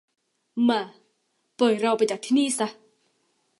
มา ปล่อยเราไปจากที่นี่ซะ